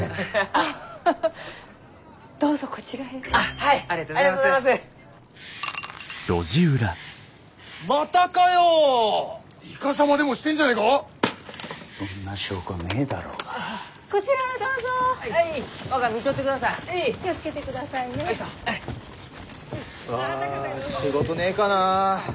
あ仕事ねえかな？